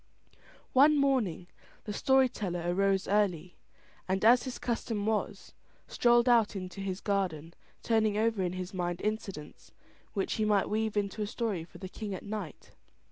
One morning the story teller arose early, and as his custom was, strolled out into his garden turning over in his mind incidents which he might weave into a story for the king at night.